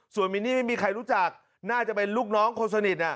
ส่วนมินนี่ไม่มีใครรู้จักน่าจะเป็นลูกน้องคนสนิท